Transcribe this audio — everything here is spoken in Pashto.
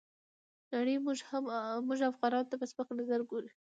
نړۍ موږ افغانانو ته په سپک نظر ګوري.